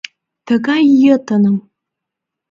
Тыгай йытыным!»